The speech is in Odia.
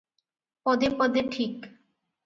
ପଦେ ପଦେ ଠିକ୍ ।